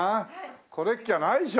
これっきゃないでしょ。